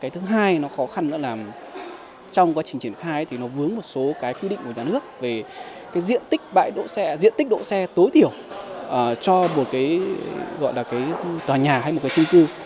thứ hai nó khó khăn là trong quá trình triển khai nó vướng một số quy định của nhà nước về diện tích bãi đỗ xe diện tích đỗ xe tối thiểu cho một tòa nhà hay một tư cư